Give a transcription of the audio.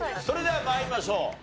それでは参りましょう。